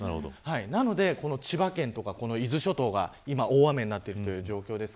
なので千葉県とか伊豆諸島が今、大雨になっている状況です。